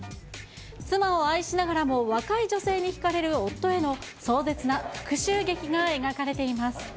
妻を愛しながらも若い女性に引かれる夫への壮絶な復しゅう劇が描かれています。